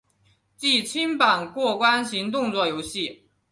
即清版过关型动作游戏。